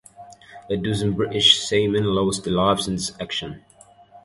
A dozen British seamen lost their lives in this action.